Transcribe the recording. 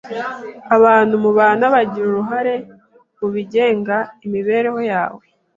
Abantu mubana bagira uruhare mu bigenga imibereho yawe